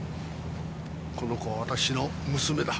この子は私の娘だ。